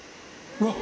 うわっ！